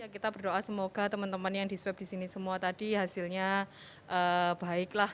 kita berdoa semoga teman teman yang di swab di sini semua tadi hasilnya baiklah